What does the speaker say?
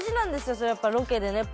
そりゃやっぱロケでね